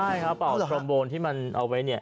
ใช่ครับเอาเปล่าสมโบรณ์ที่มันเอาไว้เนี่ย